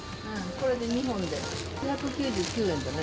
これで２本１９９円だね。